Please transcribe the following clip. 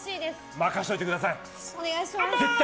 任せておいてください！